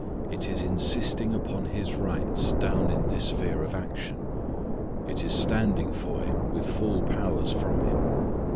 It is insisting upon His rights down in this sphere of action. It is standing for Him with full powers from Him.